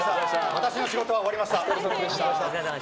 私の仕事は終わりました。